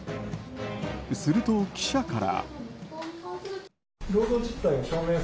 すると記者から。